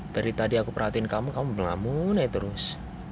dari tadi aku perhatiin kamu kamu belamun ya terus